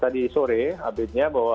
tadi sore update nya bahwa